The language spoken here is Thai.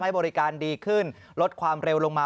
บริการดีขึ้นลดความเร็วลงมา